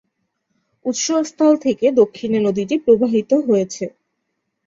উৎস স্থল থেকে দক্ষিণে নদীটি প্রবাহিত হয়েছে।